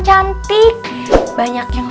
cantik banyak yang